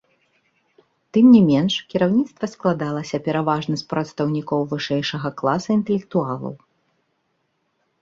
Тым не менш, кіраўніцтва складалася пераважна з прадстаўнікоў вышэйшага класа інтэлектуалаў.